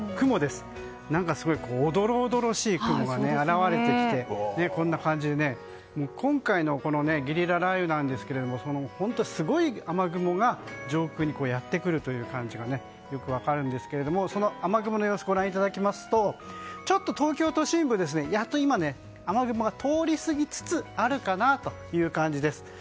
すごいおどろおどろしい雲が現れて今回のゲリラ雷雨ですが本当にすごい雨雲が上空にやってくるという感じがよく分かるんですが雨雲の様子をご覧いただきますとちょっと東京都心部はやっと今雨雲が通り過ぎつつあるかなという感じです。